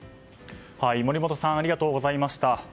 森元さんありがとうございました。